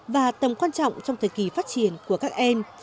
và tầm quan trọng trong thời kỳ phát triển của các em